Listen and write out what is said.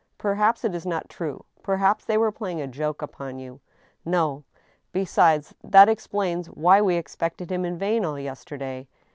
" Perhaps it is not true — ^perbaps they were playing a joke upon you." " No. Besides, that explains why we expected him in vain all yesterday."